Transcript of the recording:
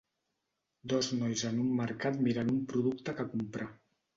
Dos nois en un mercat mirant un producte que comprar.